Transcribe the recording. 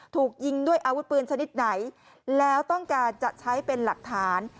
ถูกยิงด้วยอาวุธปืนชนิดไหนแล้วต้องการจะใช้เป็นหลักฐาน